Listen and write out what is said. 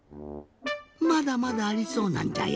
まだまだありそうなんじゃよ